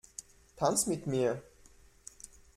Tanz mit mir!